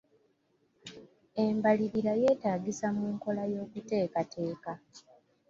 Embalirira yeetaagisa mu nkola y'okuteekateeka.